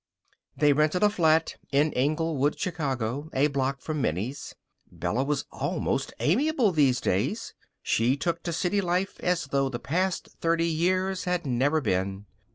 They rented a flat in Englewood, Chicago, a block from Minnie's. Bella was almost amiable these days. She took to city life as though the past thirty years had never been.